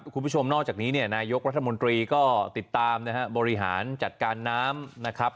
คุณผู้ชมนอกจากนี้เนี่ยนายกรัฐมนตรีก็ติดตามนะฮะบริหารจัดการน้ำนะครับ